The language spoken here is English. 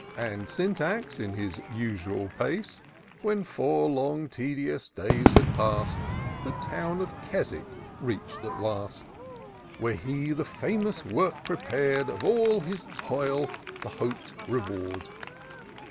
And Syntax, in his usual pace, When four long tedious days had past. The town of Keswick reach'd at last, Where he the famous work prepared, Of all his toil the hop'd reward.